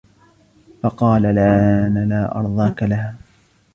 فَقَالَ الْآنَ لَا أَرْضَاك لَهَا